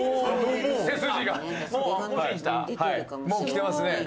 もうきてますね。